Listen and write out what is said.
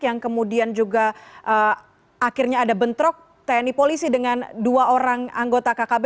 yang kemudian juga akhirnya ada bentrok tni polisi dengan dua orang anggota kkb